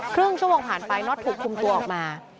ครึ่งชั่วโมงผ่านไปน็อตถูกคุมตัวออกมา